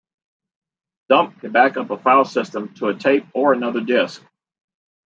Dump can back up a file system to a tape or another disk.